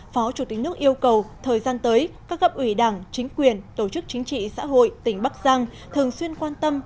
phó chủ tịch nước yêu cầu thời gian tới các gặp ủy đảng chính quyền tổ chức chính trị xã hội tỉnh bắc giang thường xuyên quan tâm